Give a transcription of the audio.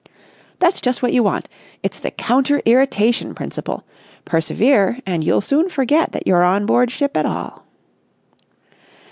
"That's just what you want. It's the counter irritation principle. Persevere, and you'll soon forget that you're on board ship at all."